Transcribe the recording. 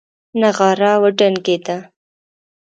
نغاره وډنګېده.